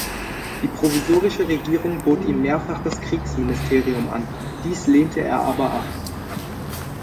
Die provisorische Regierung bot ihm mehrfach das Kriegsministerium an; dies lehnte er aber ab.